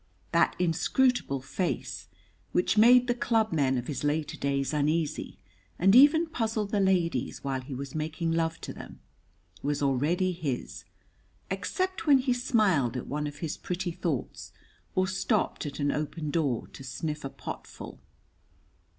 That inscrutable face, which made the clubmen of his later days uneasy and even puzzled the ladies while he was making love to them, was already his, except when he smiled at one of his pretty thoughts or stopped at an open door to sniff a potful.